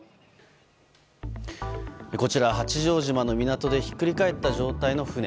こちら、八丈島の港でひっくり返った状態の船。